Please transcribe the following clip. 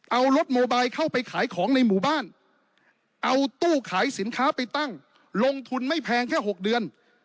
เอารถโมบายเข้าไปขายของในหมู่บ้านเอาตู้ขายสินค้าไปตั้งลงทุนไม่แพงแค่๖เดือน